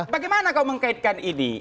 bagaimana kau mengkaitkan ini